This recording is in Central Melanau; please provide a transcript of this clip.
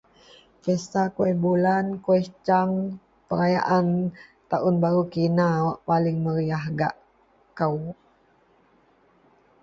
Pesta kuwih bulan, kuwih cang. Perayaan Taun Baru Kina wak paling meriyah gak kou